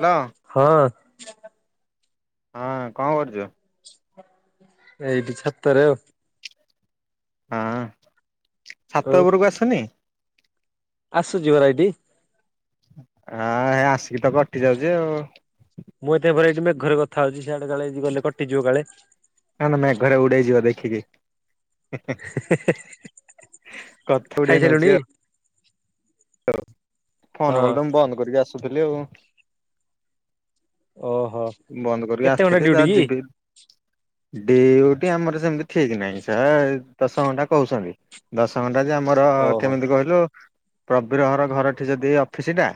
Hello ହଁ। ହଁ କଣ କରୁଚୁ? ଏଇଠି ଛାତରେ ଆଉ। ହଁ। ଛାତ ଉପରକୁ ଆସୁନି? ଆସୁ ଯିବା ରାଇଠି। ହଁ ଆସିକି ତ କଟି ଯାଉଚି ଆଉ। ମୁଁ ଏତେ ଭରେ ମେଘରେ କଥା ହଉଚି। ସିଆଡେ କାଳେ ଯି ଗଲେ କଟିଯିବ କାଳେ ଠିକେ ଖାଇ ସାଲୁନି? ହଁ। ହଁ ଫୋନ ଗଲେ ତ ମୁଁ ବନ୍ଦ କରିକି ଆସଚ ଆସୁଥିଲି ଆଉ। ଓହୋ କେତେ ଘଣ୍ଟା ଡ୍ୟୁଟି କି? ଡେ ଡ୍ୟୁଟି ଆମର ସେମିତି ଠିକ ନାହିଁ ସ ଦଶ ଘଣ୍ଟା କହୁଚନ୍ତି ଦଶ ଘଣ୍ଟା ରାଜ ଆମର ଓହୋ କେମିତି କହିଲୁ? ପ୍ରବୀରହର ଘରଠି ଯଦି ଅଫିସଟା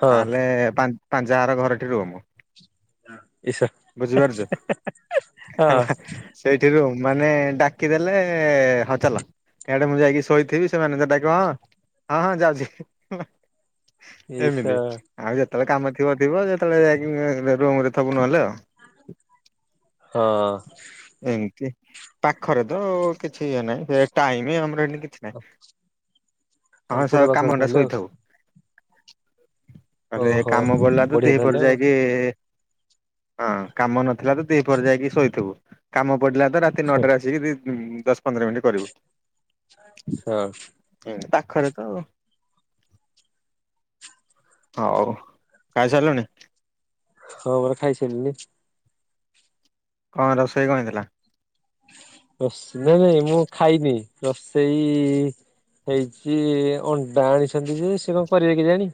ହଁ ପା ପାଞ୍ଚାଆର ଘରଠି ରୁମ୍। ଇଶା ବୁଝିପାରୁଚ ନା ହଁ ହେଲା ସେଇଠି ରୁମ୍ ମାନେ ଡାକିଦେଲେ ହଁ ଚାଲ। ଏଇଆଡେ ମୁଁ ଯାଇକି ଶୋଇଥିବି ସେମାନେ ଡାକିବେ କଣ ହଁ ହଁ ହଁ ଯାଉଚି। ଇଶା ଏମିତି ଆଉ ଯେ ତେଳେ କାମ ଥିବ ଥିବ ଯେତେବେଳେ ଯାଇ ଉ ରୁମ୍ ଥବୁ ନହେଲେ ଆଉ। ହଁ। ଏମିତି ପାଖରେ ତ କିଛି ଇଏ ନାହିଁ ସେ ଟାଇମ ଆମର ହେଠି କିଛି ନାହିଁ ତାହେଲେ ହଁ ସ ପୁରା ପାଖରେ କାମ ଟା ତାହେଲେ ଆଉ ଶୋଇଥାଉ। [inaudible] ନହେଲେ ଓହୋ କାମ ବଢ଼ିଲା ତ ବଢିଆ ତାହେଲେ ଦ୍ୱିପହରେ ଆଉ ଯାଇ ହଁ କାମ ନଥିଲା ତ ଦ୍ୱିପହରେ ପରେ ଯାଇକି ଶୋଇଥିବୁ। କାମ ପଡ଼ିଲା ତ ରାତି ହଁ ନଅଟାରେ ଆସିକି ଦି ହୁଁ ଦଶ ପନ୍ଦର ମିନିଟ୍ କରିବୁ। ହଁ। ଖରା ତ ହଉ। କାଇ ସାରିଲଣି? ହଁ ପରା ଖାଇସାରିଲିଣି। ହଁ ରୋଷେଇ କଣ ହେଇଥିଲା? ଓଫ୍ ନାଇଁ ନାଇଁ ମୁଁ ଖାଇନି? ରୋଷେଇ ହେଇଛି ଅଣ୍ଡା ଆଣିଛନ୍ତି ଯେ ସେ କଣ କରିବେ କେଜାଣି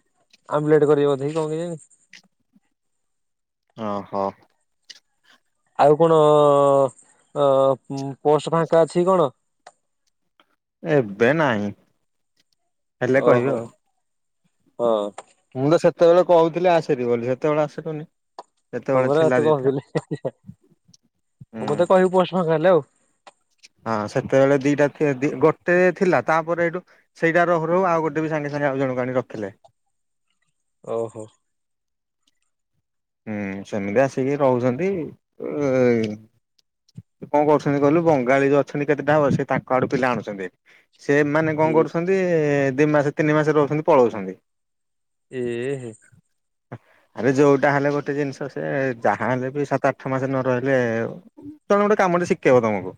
ଆମଲେଟ କରିବେ ବୋଧେ କି କଣ କେଜାଣି। ଓହୋ। ଆଉ କଣ ଅ ପୋଷ୍ଟ ଫାଙ୍କା ଅଛି କି କଣ? ଏବେ ନାହିଁ। ହେଲେ ଓହୋ କହିବି ଆଉ। ହଁ। ମୁଁ ତ ସେତେବେଳେ କହୁଥିଲି ଆସ ହାରି ବୋଲି ସେତେବେଳେ ଆସିଲୁନି। ହଁ ପରା ତତେ କହୁଥିଲି। ହୁଁ ମତେ କହିବୁ ପୋଷ୍ଟ୍ ଫୋଷ୍ଟ ଆସି ହ୍ୟାଲୋ। ହଁ ସେତେବେଳେ ଦିଟା ଦି ଗୋଟେ ଥିଲା ତାପରେ ଏଇଠୁ ସେଇଟା ରହୁ ରହୁ ଆଉ ଗୋଟେ ବି ସାଙ୍ଗେ ସାଙ୍ଗେ ଆଉ ଜଣକୁ ଆଣି ରଖିଲେ। ଓହୋ। ହୁଁ ସେମିତି ଆସିକି ରହୁଛନ୍ତି। କଣ କରୁଛନ୍ତି କହିଲୁ ବଙ୍ଗାଳୀ ଯୋଉ ଅଛନ୍ତି କେତେଟାବ ସେ ତାଙ୍କ ଆଡୁ ପିଲା ଆଣୁଛନ୍ତି। ସେମାନେ ଏ କଣ କରୁଛନ୍ତି ଦି ମାସ ତିନି ମାସ ରହୁଛନ୍ତି ପଳଉଛନ୍ତି। ଏ ହେ ହେ। ଆରେ ଯୋଉଟା ହେଲେ ଗୋଟେ ଜିନିଷ ସେ ଯାହା ହେଲେ ବି ସାତ ଆଠ ମାସ ନ ରହିଲେ ଜଣେ ଗୋଟେ କାମଟେ ଶିଖେଇବ ତମକୁ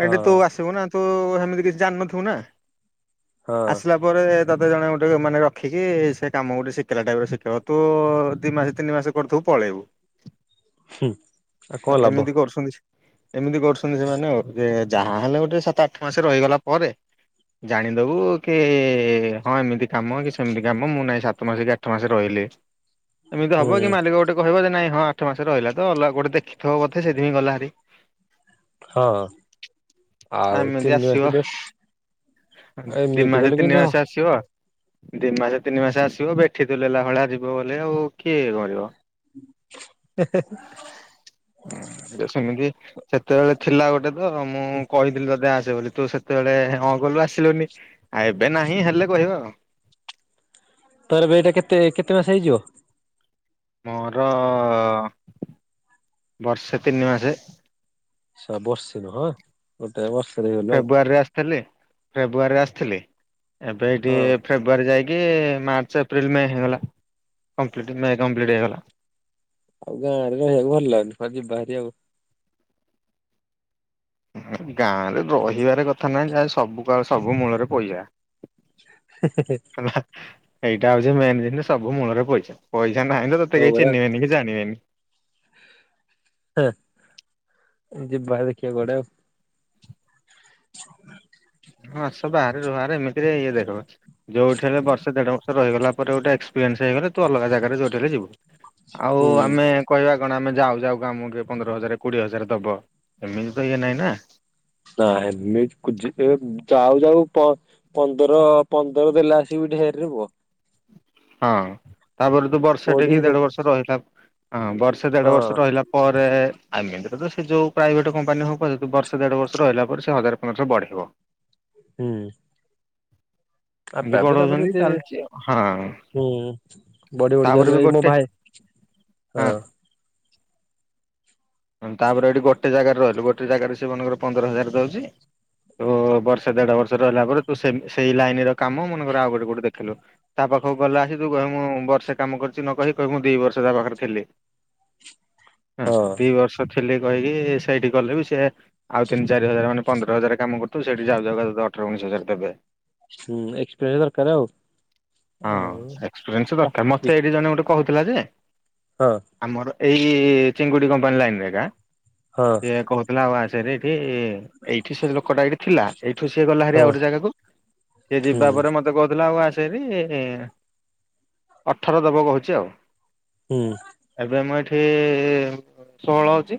ହଁ ଏଠି ତୁ ଆସିବୁ ନା ତୁ ହେମିତି କିଛି ଜାଣିନଥିବୁ ନା। ହଁ ଆସିଲା ପରେ ତତେ ଜଣେ ଗୋଟେ ମାନେ ରଖିକି ସେ କାମ ଗୋଟେ ଶିଖିଲା ଟାଇପ୍ ର ଶିଖେଇବ। ତୁ ଦି ମାସ ତିନି ମାସ କରିଥିବୁ ପଳେଇବୁ। ଆଉ କଣ ଲାଭ ଏମିତି କରୁଛନ୍ତି ଏମିତି କରୁଛନ୍ତି ସେମାନେ ଆଉ। ଯେ ଯାହା ହେଲେ ଗୋଟେ ସାତ ଆଠ ମାସରେ ରହିଗଲା ପରେ ଜାଣିଦବୁ କି ହଁ ଏମିତି କାମ କି ସେମିତି କାମ ମୁଁ ନାଇଁ ସାତ ମାସ କି ଆଠ ମାସରେ ରହିଲି। ଏମିତି ହୁଁ ହବ କି ମାଲିକ ଗୋଟେ କହିବ ଯେ ନାଇଁ ହଁ ଆଠ ମାସ ରହିଲା ତ ଅଲଗା କୋଉଠି ଦେଖିଥିବ ବୋଧେ ସେଇଥିପାଇଁ ଗଲା ଭାରି। ହଁ। ଆଉ ଏମିତି ତିନି ମାସ ଆସିବ, ଏବେ ଆଉ ଦି ଏମିତି ମାସ କଲେ ତିନି କେମିତି ହବ ମାସ ଆସିବ ଦି ମାସ ତିନି ମାସ ଆସିବ, ବେଠିତୁଲେଇଲା ଭଳିଆ ଯିବ ବୋଲି ଆଉ କିଏ କରିବ? ହେ ହେ। ଅଁ, ତ ସେମିତି ସେତେବେଳେ ଥିଲା ଗୋଟେ ତ ମୁଁ କହିଥିଲି ତତେ ଆସ ଯେ ବୋଲି ତୁ ସେତେବେଳେ ହଁ କଲୁ ତୁ ଆସିଲୁନି ଆଉ ଏବେ ନାହିଁ ହେଲେ କହିବ। ତୋର ବି ଏଇଟା କେତେ କେତେ ମାସ ହେଇଯିବ? ମୋର ବର୍ଷେ ତିନି ମାସେ। [unintelligible] ବର୍ଷେ ନୁହଁ ଗୋଟାଏ ବଷ ଫେବୃୟାରୀରେ ଆସ। ହେଲେ, ଫେବୃୟାରୀରେ ଆସିଥିଲେ। ଏବେ ଏଇଠି ହଁ ଏ ଫେବୃୟାରୀ ଯାଇ ଏ ମାର୍ଚ୍ଚ ଏପ୍ରିଲ ମେ ହେଇଗଲା, କମ୍ପ୍ଲିଟ୍ ମେ କମ୍ପ୍ଲିଟ୍ ହେଇଗଲା। ଆଉ ଗାଁ ଆଡେ ରହିବାକୁ ଭଲ ଲାଗୁନି, କୁଆଡେ ଯିବା ଭାରି ଆଉ। ଗାଁରେ ରହିବାର କଥା ନାହି, ଯାହା ସବୁ କା-ସବୁ ମୂଳରେ ପଇସା। ହେଲା। ଏଇଟା ହଉଛି ମେନ୍ ଜିନିଷ ସବୁ ମୂଳରେ ପଇସା। ପଇ ଯା ନାହିଁ ଲ ତୋତେ ହଁ କେହି ପରା ଚିହ୍ନିବେନି କି ଜାଣିବେନି। ଯିବା ଦେଖିବା କୁଆଡେ ଆଉ। [unintelligible] ହଁ ଆସ ବାହାରେ ରୁହ ଆରେ ଏମିତିରେ ଇଏ ଦେଖ ଯୋଉଠି ହେଲେ ବର୍ଷେ ଦେଢ ବର୍ଷ ରହିଗଲା ପରେ ଗୋଟ ଏକ୍ସପିରିଏନ୍ସ ହେଇଗଲେ ତୁ ଅଲଗା ଜା [unintelligible] ଯୋଉଠି ହେଲେ ଯିବୁ ଆଉ ହୁଁ। ଆମେ କହିବା କଣ ଆମେ ଯାଉ ଯାଉ ଆମକୁ ପନ୍ଦର ହଜାର କୋଡିଏ ହଜାର ଦବ? ଏମିତି ତ ଇଏ ନାଇଁ ନା। ନା ଏମତି ଖୋଜିଲେ ଯାଉ ଯାଉ ପ-ପନ୍ଦର ପନ୍ଦର ଦେଲେ ଆସି [unintelligible] ହଁ। ତାପରେ ତୁ ବର୍ଷ ଟେ କି କୋଡିଏ ଦେଢ ବର୍ଷ ରହିଲା ହଁ ବର୍ଷେ ଦେଢ ହଁ ବର୍ଷ ରହିଲା ପରେ ଆମେ ବି ତ ସେ ଯୋଉ ପ୍ରାଇଭେଟ କମ୍ପାନୀ ହଉ ପଛେ ତୁଉ ବର୍ଷ ଦେଢ ବର୍ଷ ରହିଲା ପରେ ସେ ହଜାରେ ପନ୍ଦରଶହ ବଢେଇବ। ହୁଁ। ଏମିତି ଆପେ ଆପେ ତାପରେ ବଢଉଛନ୍ତି ଯେ ଚାଲିଛି ଆଉ ହଁ ହୁଁ ବଢି ବଢି ତାପରେ ଚାଲିଲେ ବି ମୋ ଗୋଟେ ଭାଇ ହଁ ହଁ ତାପରେ ଏଠି ଗୋଟେ ଜାଗାରେ ରହିଲୁ। ହେଲେ ଗୋଟେ ଜାଗାରେ ସେ ମନେକର ପନ୍ଦର ହଜାର ଦଉଚି। ତ ବର୍ଷେ ଦେଢ଼ ବର୍ଷ ରହିଲା ପରେ ତୁ ସେମ ସେଇ ଲାଇନର କାମ ମନେକର ଆଉ ଗୋଟେ କୋଉଠି ଦେଖିଲୁ। ତା ପାଖକୁ ଗଲେ ଆସି ତୁ କହେ ମୁଁ ବର୍ଷେ କାମ କରିଚି ନ କହି କହିବୁ ମୁଁ ଦି ବର୍ଷ ତା ପାଖରେ ଥିଲି। ହଁ। [unintelligible] ଥିଲି କହିକି ସେଇଠି କଲେ ବି ସିଏ ଆଉ ତିନ ଚାରି ହଜାର ମାନେ ପନ୍ଦର ହଜାର କାମ କରୁଥୁବୁ। ସେଇଠି ଯାଉ ଯାଉ ତୋତେ ଅଠର ଉଣେଇଶ ହଜାର ଦେବେ। ହୁଁ ଏକ୍ସପସ ଦରକାର ଆଉ ହଁ ଆଉ ଏକ୍ସପିରିଏନ୍ସ ଦରକାର ମତେ ଏଇଠି ଜଣେ ଗୋଟେ କହୁଥିଲା ଯେ ହଁ ଆମର ଏଇ ଚିଙ୍ଗୁଡି କ ବନ୍ଲା ନ୍ ଏକା ହଁ ସେ କହୁଥିଲା ଆବାଜ ସେରେଠି ଇଏ ଏଇଠି ସେ ଲୋକ ଡା ଥିଲା ଏଇଠୁ ସିଏ ଗଲା ହରି ଆଉ ହଁ ଗୋେ ଜାଗାକୁ ସିଏ ଯିବା ହୁଁ। ପରେ ମତେ କହୁଥିଲା ଆଉ ଆସ ସେବି ଅଠର ଦବ କହୁଛି ଆଉ ହୁଁ ଏବେ ମୁଁ ଏ ହେ ଷୋହଳ ଅଛି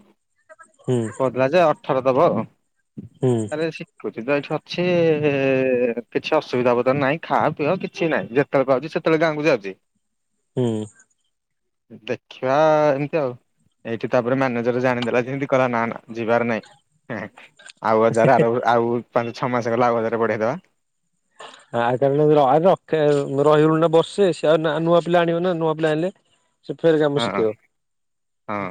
ହୁଁ ସେ କଥିଲା ଯେ ଠର ଦବ ଆଉ ହୁଁ ଆରେ ଶିଖୁଛି ସୁଧ ଏଇଠି ଅଛି କିଛି ଅସୁବିଧା ବ ନାହିଁ ଖାବା ପିଇବା କିଛି ନାହିଁ ଯେତେବେଳେ ପାଉଛି ସେତେବେଳେ ଗାଁକୁ ଯାଉଛି ହୁଁ ଦେଖିବା ଏମିତି ଆଉ ଏ ତାପରେ ମ୍ୟାନେଜର ଜାଣିଦେଲା ଯେମତି କଲା ନା ନା ଯିବାର ନାାଇଁ ଆଉ ହଜାର ଆର ଆଉ ପାଞ୍ଚ ଛଅ ମାସ ଗଲା ଆଉ ହଜାରରେ ବଢେଇଦବା ଆ କାରଣ ରଖେ ରହିଗଲୁ ନା ବର୍ଷେ ସେ ଆଉ ନା ନୂଆ ପିଲା ଆଣିବ ନା ନୂଆ ପିଲା ଆଣିଲେ ସେ ଫେରେ କାମ ହଁ ଶିଖେଇବ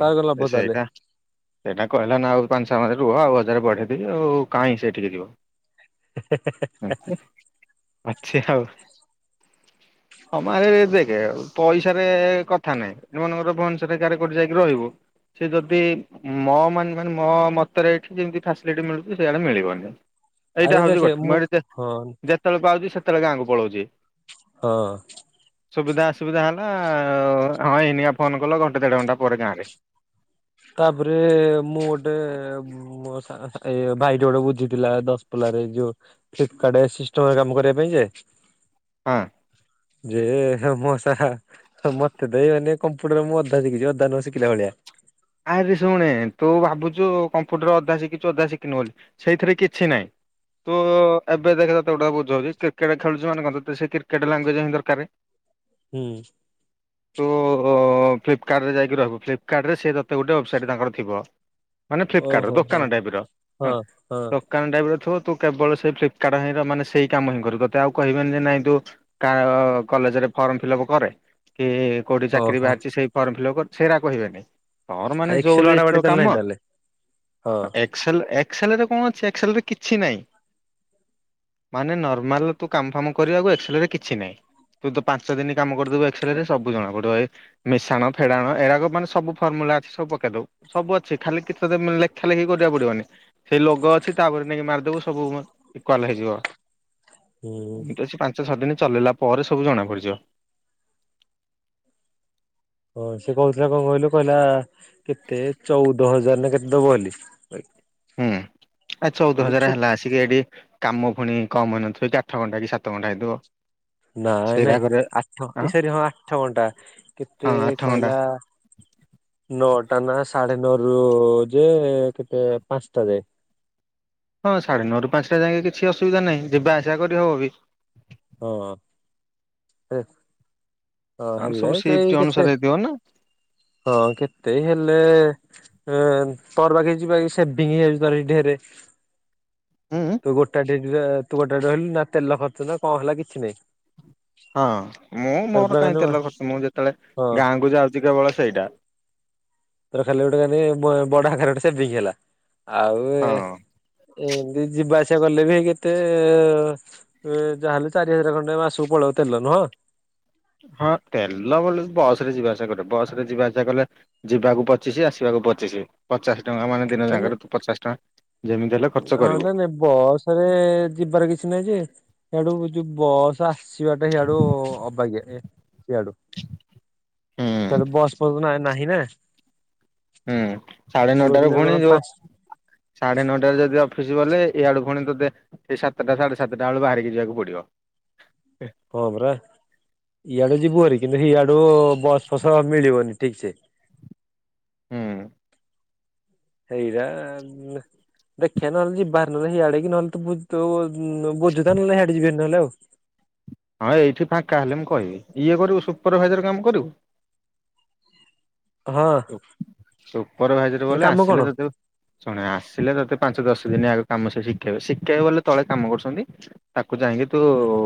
ତାର କଣ ଲାଭ ତାହେଲେ ସେଇଟା ସେଇଟା କହିଲା ନା ଆଉ ପାଞ୍ଚ ଛ ମରେ ରୁହ ଆଉ ହଜାର ବଢ଼େଇଦେବି ଆଉ କାହିଁ ସେଠିିକି ଯିବ ଅଛି ଆଉ ହମାରରେ ଦେଖଉ ପଇସାରେ କଥା ନାଇଁ ଏମାନଙ୍କର ଭନସରକାରାରେ କରି ଯାଇକି ରହିବୁ ସେ ଯଦି ମୋ ମାନେ ମାନେ ମୋ ମତରେ ଏଇଠି ଯେମିତି ଫ୍ୟାସିଲିଟି ମିଳୁଛି ସେଇଆଡ଼େ ମିଳିବନି ଏଇଟା ଆରେ ହଉଛି ଦେଖେ ଗୋଟେ ମୁଁ ମେଡିତେ ହଁ ଯେତେବେଳେ ପାଉଛି ସେତ୍ କେତେବେଳେ ଗାଁକୁ ପଳଉଛି। ହଁ ସୁବିଧା ଅସୁବିଧା ହେଲା ଆଉ ହଁ ଏଇନିଆ ଫୋନ କଲ ଘଣ୍ଟେ ଦେଢ ଘଣ୍ଟା ପରେ ଗାଁରେ। ତାପରେ ମୁଁ ଗୋଟେ ମୋ ଏ ଭାଇଟି ଗୋଟେ ବୁଝିଥିଲା ଦଶପଲ୍ଲାରେ ଯୋଉ ଫ୍ଲିପ୍ କାର୍ଟ ସିଷ୍ଟମରେ କାମ କରିବା ପାଇଁ ଯେ ହଁ ଯେ ମସା ମତେ ଦେଇ ମାନେ କମ୍ପ୍ୟୁଟର ମୁଁ ଅଧା ଶିଖିଛି ଅଧା ନ ଶିଖିଲା ଭଳିଆ ଆରେ ଶୁଣେ ତୁ ଭାବୁଛୁ କମ୍ପ୍ୟୁଟର ଅଧା ଶିଖିଛୁ ଅଧା ଶିଖିନୁ ବୋଲି। ସେଇଥିରେ କିଛି ନାହିଁ ତୁ ଏବେ ଦେଖ ତତେ ଗୋଟେ ବୁଝୋଉଛି କ୍ରିକେଟ୍ ଖେଳୁଛୁ ମାନେ କଣ ତତେ ସେ କ୍ରିକେଟ୍ ଲାଙ୍ଗୁଏଜ୍ ହିଁ ଦରକାର। ହୁଁ ତୁ ଫ୍ଲିପକାର୍ଟରେ ଯାଇକି ରହିବୁ ଫ୍ଲିପକାର୍ଟରେ ସିଏ ତ ତତେ ଗୋଟେ ୱେବସାଇଟ୍ ତାଙ୍କର ଥିବ। ମାନେ ଫ୍ଲିପକାର୍ଟର ଓହୋ ହଁ ଦୋକାନ ଟାଇପ ର ହଁ ହ ହଁ ଦୋକାନ ଟାଇପ ର ଥିବ ତୁ କେବଳ ସେଇ ଫ୍ଲିପକାର୍ଟ ହିଁ ର ମାନେ ସେଇ କାମ ହିଁ କରୁ ତତେ ଆଉ କହିବେନି ଯେ ନାଇଁ ତୁ କା-ଅ-ଅ କଲେଜରେ ଫର୍ମ ଫିଲପ କରେ କି-ଇ-ଇ-ଇ କୋଉଠି ଚାକିରି ଓହୋ ବାହାରିଛି ସେଇ ଫର୍ମ ଫିଲପ୍ କ ସେରା କହିବେନି ତର ମାନେ ଯୋଉ ଏକ୍ସେଲ ବାଡା ବାଡି ଲିଷ୍ଟର ତାହେଲେ ନାହିଁ କାମ ତାହେଲେ ହଁ ଏକ୍ସେଲ୍ ଏ ଏକ୍ସେଲ୍ ରେ କଣ ଅଛି ଏକ୍ସେଲ୍ ରେ କିଛି ନାହିଁ। ମାନେ ନର୍ମାଲ ତୁ କାମ ଫାମ କରିବାକୁ ଏକ୍ସେଲ୍ ରେ କିଛି ନାହିଁ। ତୁ ତ ପାଞ୍ଚ ଦିନ କାମ କରିଦବୁ ଏକ୍ସେଲ୍ ରେ ସବୁ ଜଣା ପଡିବ ଏ ମିଶାଣ ଫେଡାଣ ଏରାକ ମାନେ ସବୁ ଫର୍ମୁଲା ଅଛି ସବୁ ପକେଇଦବୁ। ସବୁ ଅଛି ଖାଲି କିଛି ତତେ ଲେଖା ଲେଖି କରିବାକୁ ପଡିବନି। ସେଇ ଲୋଗୋ ଅଛି ତାପରେ ନେଇକି ମାରିଦବୁ ସବୁ ଇକ୍ୱ୍ଆଲ୍ ହେଇଯିବ। ହୁଁ ଏମିତି ତ ସେଇ ପାଞ୍ଚ ଛଅ ଦିନ ଚଲେଇଲା ପରେ ସବୁ ଜଣା ପଡିଯିବ। ହଁ ସେ କହୁଥିଲା କଣ କହିଲୁ କହିଲା କେତେ ଚଉଦ ହଜାର ନା କେତେ ଦବ ବୋଲି। ହୁଁ ଆ ଚଉଦ ହଜାର ଛୋ ହେଲା ଆସିକି ଏଠି କାମ ପୁଣି କମ ହେଇନଥିବ କି ଆଠ ଘଣ୍ଟା କି ସାତ ଘଣ୍ଟା ହେଇଥିବ। ନାଇଁ ନାଇଁ ସେଇରାକରେ ଆଠ ଆଁ ଏସରି ହଁ ଆଠ ଘଣ୍ଟା କେତେ ହଁ ଆଠ ଘଣ୍ଟା କହିଲା ନଅଟା ନା ସାଢେ ନଅ ରୁ-ଉ-ଉ ଯେ କେତେ ପାଞ୍ଚଟା ଯାଏ। ହଁ ସାଢେ ନଅ ରୁ ପାଞ୍ଚଟା ଯାଇକି କିଛି ଅସୁବିଧା ନାହିଁ ଯିବା ଆସିବା କରି ହବ ବି। ହଁ ହେ ହଁ ଆଉ ହେଲେ ସବୁ ସିଫ୍ଟ କେହି କେତେ ଅନୁସାରେ ହେଇଥିବ ନା ହଁ କେତେ ହେଲେ ହଁ ତର ବାକି ଯିବା ସେଭିଙ୍ଗ ହେଇପାରେ ଢେରେ ହୁଁ ତୁ ଗୋଟା ଡେ ତୁ ଗୋଟା ରହିଲୁ ନା ତେଲ ଖର୍ଚ୍ଚ ନା କଣ ହେଲା କିଛି ନାଇଁ। ହଁ ମୁଁ ମୋର କାହିଁ ହଁ ତେଲ ଖର୍ଚ ମୁଁ ଯେତେବେଳେ ଗାଁକୁ ଯାଉଛି କେବଳ ସେଇଟା। ତୋର ଖାଲି ଗୋଟେ ମାନେ ଖାଲି ବ ବଡ ଆକାରେ ଗୋଟେ ସେଭିଂ ହେଲା। ଆଉ ଏ ହଁ ଏମିତି ଯିବା ସେଭିଙ୍ଗ କଲେ ବି କେତେ ଯାହାହେଲେ ଚାରି ହଜାର ଖଣ୍ଡେ ମାସକୁ ପଳଉ ତେଲ ନୁହଁ। ହଁ ତେଲ ବ ବସ୍ ରେ ଯିବା ଆସିବା କଲେ ବସ୍ ରେ ଯିବା ଆସିବା କଲେ ଯିବାକୁ ପଚିଶି ଆସିବାକୁ ପଚିଶି ପଚାଶ ଟଙ୍କା ମାନେ ଦିନ ଜାଗାରେ ତୁ ପଚାଶ ଟଙ୍କା ଯେମିତି ହେଲେ ଖର୍ଚ୍ଚ ହଁ କରିବୁ ନାଇଁ ନାଇଁ ବସ୍ ରେ-ଏ-ଏ-ଏ ଯିବାର କିଛି ନାଇଁ ଯେ ସେଇଆଡୁ ଯୋଉ ବସ୍ ଆସିବାଟା ସେଇଆଡୁ-ଉ-ଉ-ଉ ଆବାଗ୍ୟା ଏ ସିଆଡୁ ହୁଁ ଚାଲ ବସ୍ [unintelligible] ନାହିଁ ନା ହୁଁ ସାଢେ ସେ ନଅଟାରୁ କହୁଥିଲେ ପୁଣି କଣ ଯୋଉ ପାଞ୍ଚ ସାଢେ ନଅଟାରେ ଯଦି ଅଫିସ ଗଲେ ଏଇଆେଳୁ ଖୁଣି ତେ ସେଇ ସାତଟା ସାଢେ ସାତଟା ବେୁ ବାହାରିକି ଯିବାକୁ ପଡିବ। ହବ୍ର ଏଡ ଜୀିବୁରିକ। କିଇ ଆ। ୁ ବସ୍ ଫସ ମିଳିବନି ଠିକଛ ହୁଁ ସେଇଟା ଦେଖିବା ନହେଲେ ଯିବାରି ନହଲେ ସେିଆଡେ କି ନହେଲେ ତ ବୁଝୁଥା ନହେଲେ ସଇଆଡେ ଯିବି ନହେଲେ ଆଉ ହଁ ଏଇଠି ଫାଙ୍କା ହେଲେ ମୁଁ କହିବି ଇଏ କରିବୁ ସୁପରଭାଇଜର କାମ କରିବୁ ହଁ ଉପର ଭାଇଜରେ ମାନେ ବଲେ କାମ ଆସିଲେ କଣ ତତେ ଶୁଣ ଆସିଲେ ତତେ ପାଞ୍ଚ ଦଶ ଦିନ ଆଗ କାମ ଶିଖେଇ ଶିଖେଇ ବଲେ ତଳେ କାମ କରୁଛନ୍ତି ତା କୁ ଯାଇକି ତୁ ହୁଁ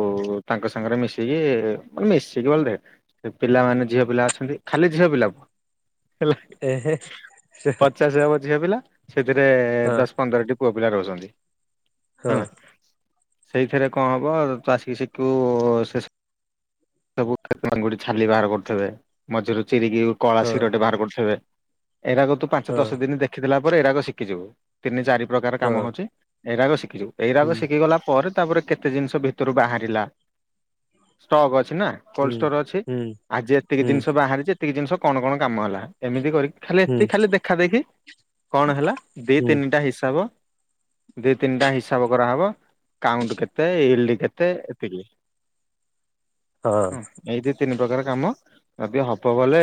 ତାଙ୍କ ସାଙ୍ଗରେ ମିଶିକିାନେ ମିଶିକି ବ ସେ ପିଲାମାନୋନେ ଝିଅ ପିଲା ଅଛନ୍ତି ଖାଲି ଝିଅ ପିଲା ପୁଅ ହେଲା ଏହେ ପଚାଶ ଯବଝିଅ ପିଲା ସେଥିରେ ହଁ ଦଶ ପନ୍ଦରଟି ପୁଅ ପିଲା ରହୁଛନ୍ତି ହଁ ହେଲା। ସେଇଥିରେ କଣ ହବ ତୁ ଆସି ଶିଖୁ ସେ ସବୁଙ୍ଗୁ ଛାଲି ବାହାର କରୁଥେ ମଝିରେରୁ ଚିରିକି ହଁ କ୍ଷୀରଟେ ବାହାର କରିଥିବେ ଏଇଟାକ ତୁ ପାଞ୍ଚ ହଁ ଦଶ ଦିନ ଦେଖିଥିଲା ପରେ ଏଗୁାକ ଶିଖିିବ ତିନି ଚାରି ପ୍ରକାର କାମ ହଁ ହଉଛି ଏଇ ଶିକ ଶୁ ଏଇଗାକ ହୁଁ ଶିଖିଗଲା ପରେ ତାପରେ କେତେ ଜିନିଷ ଭିତରୁ ବାହାରିଲା ଅ ନା ହୁଁ କୋଲଷ୍ଟୋର ଅଛି ହୁଁ ଆଜି ଏତିକି ହୁଁ ଜିନିଷ ବାହାରିଛି ଟେ ଜିନଷ କଣ କଣ କାମ ହେଲା ଏମିତି କରି ଖାଲି ହୁଁ ଏତିକି ଖାଲି ଦେଖା ଦେଖି କଣ ହେଲା ଦି ହୁଁ ତିନିଟା ହିସାବ ଦି ତିନିଟା ହିସାବ କରାହବ କାଉଣ୍ଟ କେତେ ଇଲି କେତେ ଏତିକି ହଁ। ହ ଏଇ ଦିଇ ତିନି ପ୍ରକାର କାମ ଏବେ ହବ ଗଲେ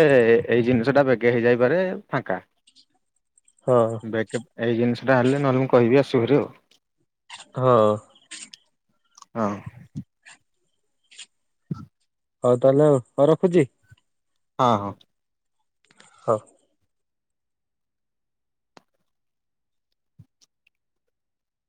ଏଇ ଜିନିଷ ଟା ବେଗେ ହେଇଯାଇପାରେ ଫାଙ୍କା ହଁ ବେକଅପ ଏଇ ଜିନିଷ ସେଟା ହେଲେ ନହେଲେ ମୁଁ କହିବି ଆସିବ ହରି ଆଉ। ହଁ। ହଁ। ହଉ ତାହେଲେ ଆଉ ହଁ ରଖୁଚି। ହଁ ହଁ। ହଉ।